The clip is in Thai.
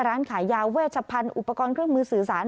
ร้านขายยาเวชพันธุ์อุปกรณ์เครื่องมือสื่อสาร